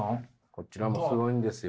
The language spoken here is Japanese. こちらもすごいんですよ。